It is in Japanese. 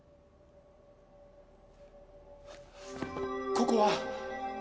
ここは。